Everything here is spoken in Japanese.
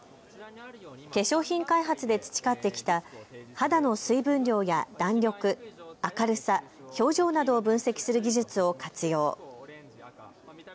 化粧品開発で培ってきた肌の水分量や弾力、明るさ、表情などを分析する技術を活用。